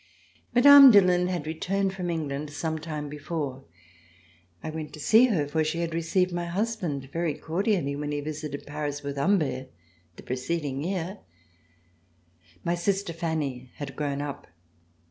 Mme. Dillon had returned from England some C342] THE PREFECTURE AT BRUSSELS time before. 1 went to see her, for she had received my husband very cordially when he visited Paris with Humbert the preceding year. My sister Fanny had grown up.